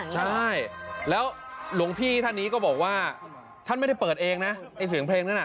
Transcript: ใช่แล้วหลวงพี่ท่านนี้ก็บอกว่าท่านไม่ได้เปิดเองนะไอ้เสียงเพลงนั้นน่ะ